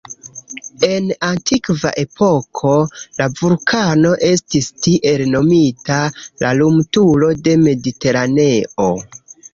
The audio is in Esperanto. En antikva epoko, la vulkano estis tiel nomita "la lumturo de Mediteraneo".